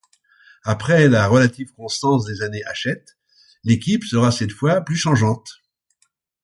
Après la relative constance des années Hachette, l'équipe sera cette fois plus changeante.